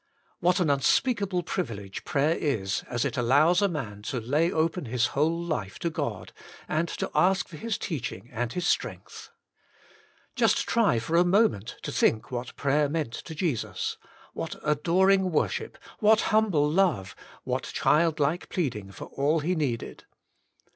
What an un speakable privilege prayer is as it allows a man to lay open his whole life to God, and to ask for His teaching and His strength. Just try for a moment to think what prayer meant to Jesus, what adoring worship, what humble love, what child like pleading for all He needed.